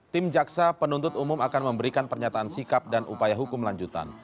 tim jaksa penuntut umum akan memberikan pernyataan sikap dan upaya hukum lanjutan